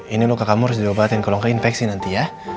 ini luka kamu harus diobatin kalau nggak infeksi nanti ya